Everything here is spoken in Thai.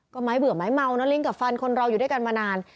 ก็ไม้เบื่อไม้เมานะลิ้งกับฟันคนเราอยู่ด้วยกันมานาน